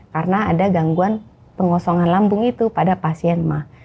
karena ada gangguan pengosongan lambung itu pada pasien ma